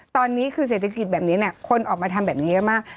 ตอนนี้คือเศรษฐกิจแบบนี้คนออกมาทำแบบนี้เยอะมาก